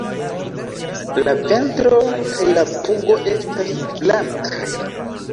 La ventro kaj la pugo estas blankaj.